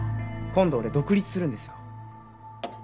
今度俺独立するんですよ。